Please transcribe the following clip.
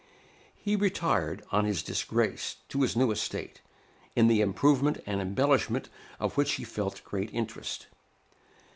He retired, on his disgrace, to his new estate, in the improvement and embellishment of which he felt great interest.